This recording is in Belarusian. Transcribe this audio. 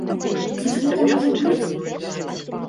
Ці ж гэта можа быць?